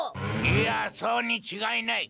いやそうにちがいない！